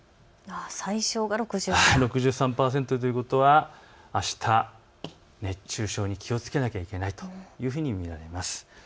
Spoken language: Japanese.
最小が６３％ということはあした熱中症に気をつけなきゃいけないというふうに見られます。